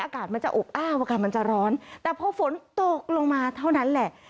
อากาศมันจะอบอ้าวอากาศมันจะร้อนแต่พอฝนตกลงมาเท่านั้นแหละ